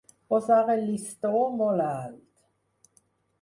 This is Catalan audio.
Posar el llistó molt alt.